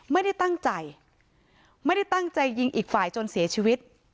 ไม่ได้ตั้งใจไม่ได้ตั้งใจยิงอีกฝ่ายจนเสียชีวิต